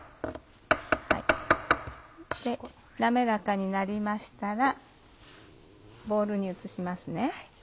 滑らかになりましたらボウルに移しますね。